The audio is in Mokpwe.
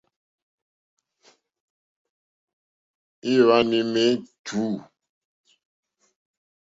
Ìwàná émá ètǔ.